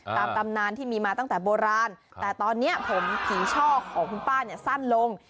ตามตำนานที่มีมาตั้งแต่โบราณแต่ตอนนี้ผมผีช่อของคุณป้าเนี่ยสั้นลง